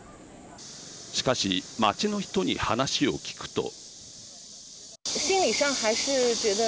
しかし、街の人に話を聞くと。